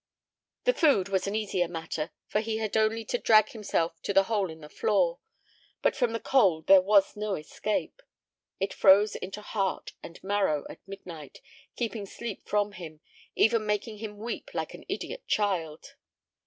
The food was an easier matter, for he had only to drag himself to the hole in the floor. But from the cold there was no escape. It froze into heart and marrow at midnight, keeping sleep from him, even making him weep like an idiot child.